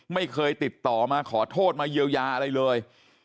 ไม่เคยติดต่อมาขอโทษมาเยียวยาอะไรเลย